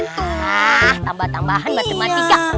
ah tambah tambahan mbak teman tika